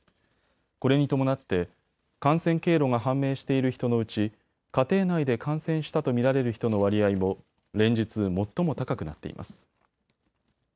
これに伴って感染経路が判明している人のうち家庭内で感染したと見られる人の割合も連日、最も高くなっています。